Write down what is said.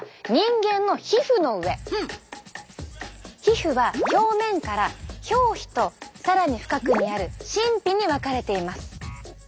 皮膚は表面から表皮と更に深くにある真皮に分かれています。